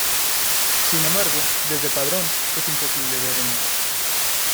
Sin embargo, desde Padrón es imposible ver el mar.